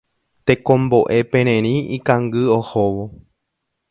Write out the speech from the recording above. Tekomboʼe pererĩ ikangy ohóvo.